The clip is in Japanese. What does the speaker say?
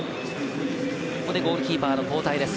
ここでゴールキーパーの交代です。